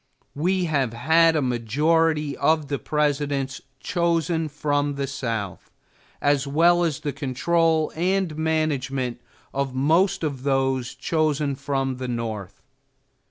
We have had a majority of the Presidents chosen from the South, as well as the control and management of most of those chosen from the North.